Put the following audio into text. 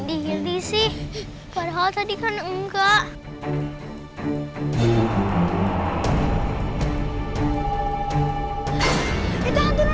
disini sering denger suara anak kecil ketawa